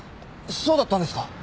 そうだったんですか？